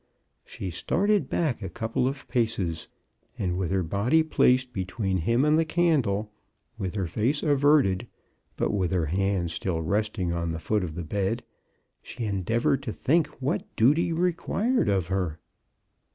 She started back a couple of paces, and with her body placed between him and the candle, with her face averted, but with her hand still resting on the foot of the bed, she endeavored to think what duty required of her.